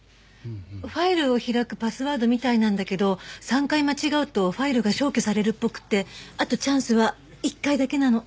ファイルを開くパスワードみたいなんだけど３回間違うとファイルが消去されるっぽくてあとチャンスは１回だけなの。